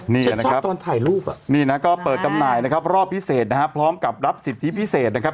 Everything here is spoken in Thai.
นี่นะครับตอนถ่ายรูปอ่ะนี่นะก็เปิดจำหน่ายนะครับรอบพิเศษนะฮะพร้อมกับรับสิทธิพิเศษนะครับ